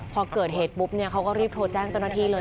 พอเกิดเหตุปุ๊บเนี่ยเขาก็รีบโทรแจ้งเจ้าหน้าที่เลย